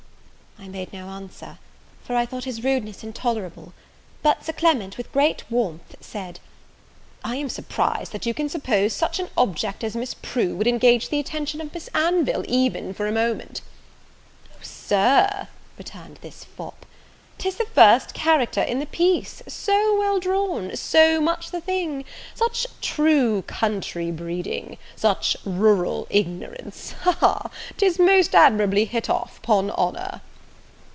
I made no answer, for I thought his rudeness intolerable; but Sir Clement, with great warmth, said, "I am surprised that you can suppose such an object as Miss Prue would engage the attention of Miss Anville even for a moment." "O, Sir," returned this fop, "'tis the first character in the piece! so well drawn! so much the thing! such true country breeding such rural ignorance! ha, ha, ha! 'tis most admirably hit off, 'pon honour!"